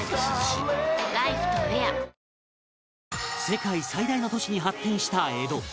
世界最大の都市に発展した江戸